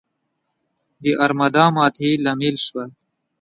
د ارمادا د ماتې لامل شول.